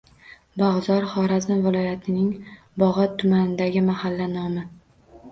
Bog‘zor – Xorazm viloyatining Bog‘ot tumanidagi mahalla nomi.